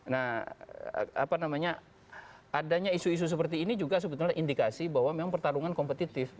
nah apa namanya adanya isu isu seperti ini juga sebetulnya indikasi bahwa memang pertarungan kompetitif